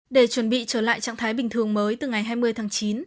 để chuẩn bị trở lại trạng thái bình thường mới từ ngày hai mươi tháng chín